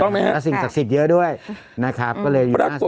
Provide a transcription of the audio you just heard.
และสิ่งศักดิ์สิทธิ์เยอะด้วยนะครับ